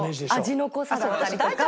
味の濃さだったりとか。